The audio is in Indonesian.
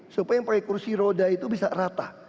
supaya yang pakai kursi roda itu bisa rata